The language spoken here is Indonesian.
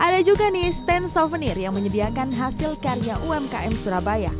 ada juga nih stand souvenir yang menyediakan hasil karya umkm surabaya